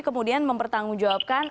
kemudian mempertanggung jawabkan